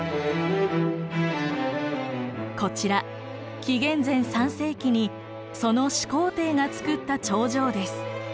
こちら紀元前３世紀にその始皇帝がつくった長城です。